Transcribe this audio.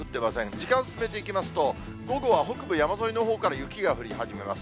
時間進めていきますと、午後は北部山沿いのほうから雪が降りはじめます。